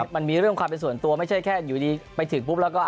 มันมีเรื่องความเป็นส่วนตัวไม่ใช่แค่อยู่ดีไปถึงปุ๊บแล้วก็